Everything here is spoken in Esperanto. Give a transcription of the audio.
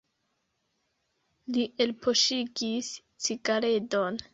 Li elpoŝigis cigaredon.